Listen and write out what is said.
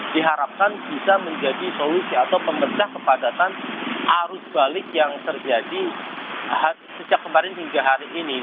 diharapkan bisa menjadi solusi atau pembedah kepadatan arus balik yang terjadi sejak kemarin hingga hari ini